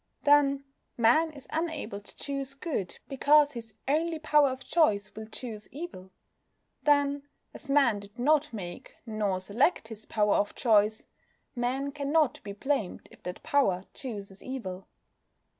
Then, Man is unable to choose good because his only power of choice will choose evil. Then, as Man did not make nor select his power of choice, Man cannot be blamed if that power chooses evil.